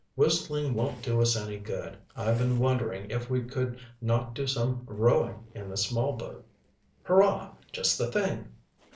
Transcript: "Whistling won't do us any good. I've been wondering if we could not do some rowing in the small boat." "Hurrah! just the thing!"